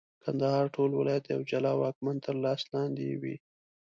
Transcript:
کندهار ټول ولایت د یوه جلا واکمن تر لاس لاندي وي.